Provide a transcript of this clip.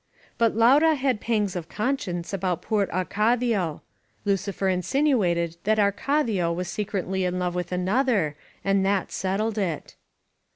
But Laura had pangs of conscience about poor Arcadio. Lucifer insinuated that Arcadia was se cretly in love with another, and that settled it.